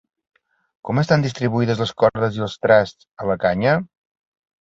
Com estan distribuïdes les cordes i els trasts a la canya?